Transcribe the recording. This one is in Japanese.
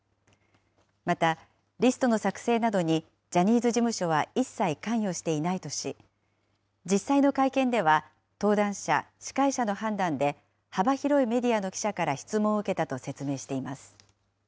また、リストの作成などにジャニーズ事務所は一切関与していないとし、実際の会見では登壇者、司会者の判断で幅広いメディアの記者から質問を受けたと説明しています。